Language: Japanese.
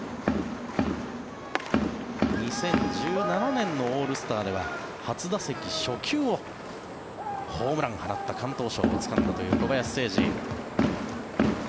２０１７年のオールスターでは初打席、初球をホームランを放った敢闘賞をつかんだ小林誠司。